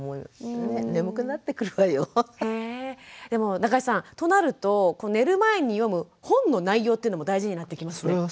でも中井さんとなると寝る前に読む本の内容っていうのも大事になってきますね。